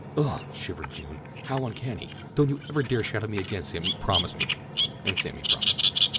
"Ugh!" shivered June. "How uncanny. Don't you ever dare shadow me again Sammy—promise me," and Sammy promised.